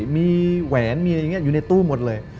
มีแหวนอยู่ในตู้หมดเลย